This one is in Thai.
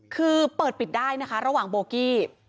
คือเปิดปิดได้นะคะระหว่างโบกี้